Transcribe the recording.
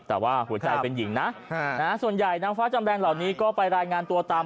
แต่ว่าหัวใจเป็นหญิงนะส่วนใหญ่นางฟ้าจำแรงเหล่านี้ก็ไปรายงานตัวตาม